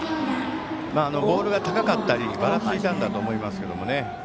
ボールが高かったりばらついたんだと思いますね。